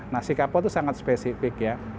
nasi kapau itu sangat spesifik ya